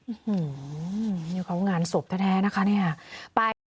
อื้อหือนี่เขางานสบแท้นะคะนี่ฮะ